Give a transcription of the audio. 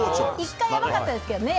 １回やばかったですけどね。